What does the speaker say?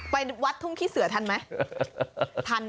ไปวัดทุ่งขี้เสือทันไหม